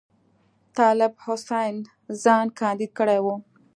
طالب حسین ځان کاندید کړی وو.